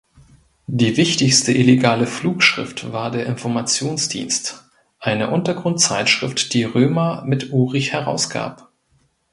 Die wichtigste illegale Flugschrift war der "Informationsdienst", eine Untergrundzeitschrift, die Römer mit Uhrig herausgab.